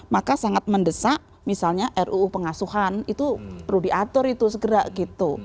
maka sangat mendesak misalnya ruu pengasuhan itu perlu diatur itu segera gitu